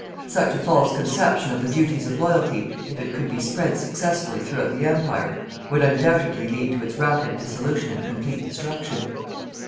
Such a false conception of the duties of loyalty, if it could be spread successfully throughout the Empire, would undoubtedly lead to its rapid dissolution and complete destruction.